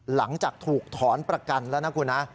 หลังจากถูกถอนประกันแล้วนะคุณฮะ